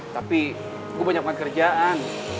tapi gue banyak makan kerjaan